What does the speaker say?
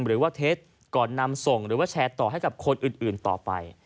เท็จก่อนนำส่งหรือว่าแชร์ต่อให้กับคนอื่นต่อไป